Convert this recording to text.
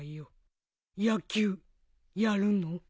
野球やるの？